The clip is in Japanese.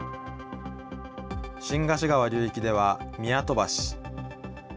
新河岸川流域では宮戸橋。